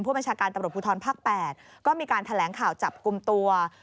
บัญชาการตำรวจภูทรภาค๘ก็มีการแถลงข่าวจับกลุ่มตัว